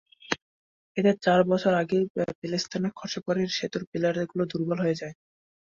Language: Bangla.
এতে চার বছর আগেই পলেস্তারা খসে পড়ে সেতুর পিলারগুলো দুর্বল হয়ে যায়।